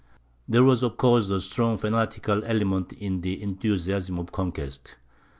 There was of course a strong fanatical element in the enthusiasm of conquest.